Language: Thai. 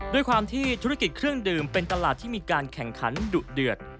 ด้วยความที่ธุรกิจเครื่องดื่มเป็นตลาดที่มีการแข่งขันดุเดือด